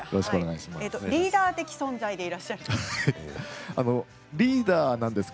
リーダー的存在でいらっしゃるということですね。